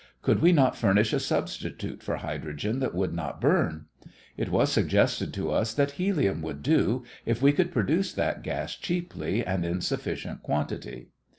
Could we not furnish a substitute for hydrogen that would not burn? It was suggested to us that helium would do if we could produce that gas cheaply and in sufficient quantity.